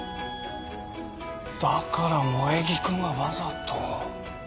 だから萌衣くんはわざと。